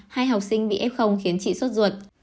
hai học sinh bị f khiến chị sốt ruột